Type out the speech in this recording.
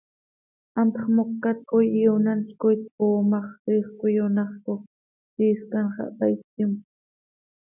Hantx mocat coi iionatz coi tcooo ma x, ziix cöiyonaxcoj, siiscan xah taa, ittimjöc.